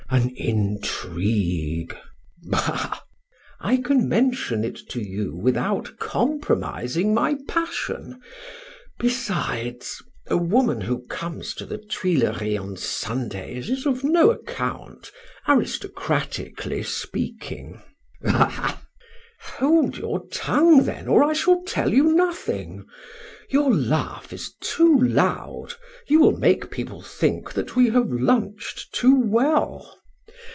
"An intrigue." "Bah!" "I can mention it to you without compromising my passion. Besides, a woman who comes to the Tuileries on Sundays is of no account, aristocratically speaking." "Ah! ah!" "Hold your tongue then, or I shall tell you nothing. Your laugh is too loud, you will make people think that we have lunched too well.